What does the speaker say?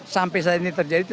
sampai saat ini terjadi